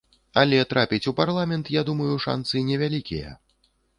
Але трапіць у парламент, я думаю, шанцы невялікія.